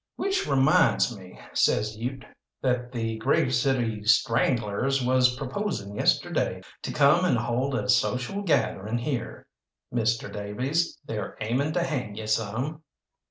"Which reminds me," says Ute, "that the Grave City stranglers was proposing yesterday to come and hold a social gathering here. Mr. Davies, they's aiming to hang you some."